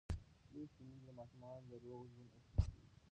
لوستې میندې د ماشومانو د روغ ژوند اصول ښيي.